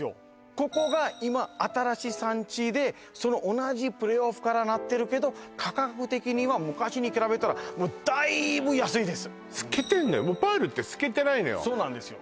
ここが今新しい産地でその同じプレイオブカラーなってるけど価格的には昔に比べたらもうだいぶ安いです透けてんのよオパールって透けてないのよそうなんですよ